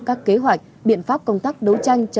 các kế hoạch biện pháp công tác đấu tranh